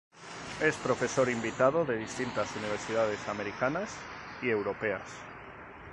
Es profesor invitado de distintas universidades americanas y europeas.